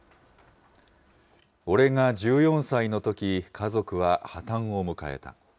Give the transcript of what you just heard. オレが１４歳のとき、家族は破綻を迎えた。